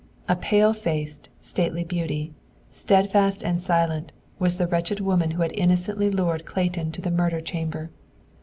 A pale faced, stately beauty, steadfast and silent, was the wretched woman who had innocently lured Clayton to the murder chamber.